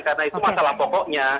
karena itu masalah pokoknya